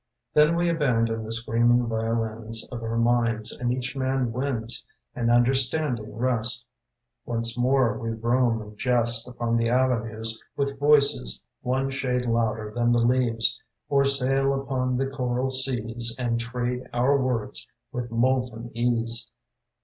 Then we abandon the screaming violins Of our minds, and each man wins An understanding rest Once more we roam and jest Upon the avenues, with voices One shade louder than the leaves, Or sail upon the choral seas And trade our words with molten ease.